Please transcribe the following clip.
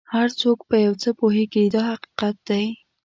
هر څوک په یو څه پوهېږي دا حقیقت دی.